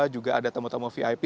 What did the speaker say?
juga ada tamu tamu vip